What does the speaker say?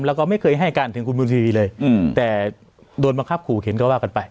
แล้วก็ไม่เคยให้การถึงคุณบุญทีวีเลยแต่โดนบังคับขู่เข็นก็ว่ากันไป